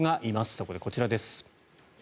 そこでこちらです。